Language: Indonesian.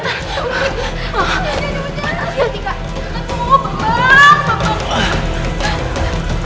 gak tau boba